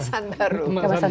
tapi barangnya lama